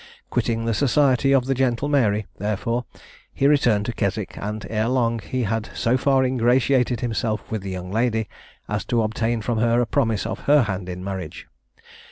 Quitting the society of the gentle Mary, therefore, he returned to Keswick, and, ere long, he had so far ingratiated himself with the young lady, as to obtain from her a promise of her hand in marriage.